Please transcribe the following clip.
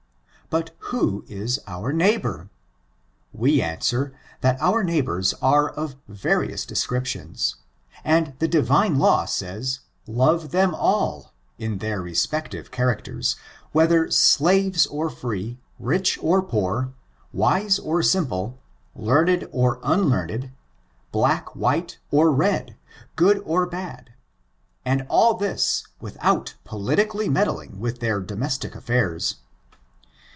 But who is our neighbor? We answer, that our neighbors are of various descriptions, and the Divine law says, love them all, in their respective characters, whether slaves or free, rich or poor, wise or simple, learned or unlearned, black, white or red, good or bad, and all this without politically meddling with their domestic affairs.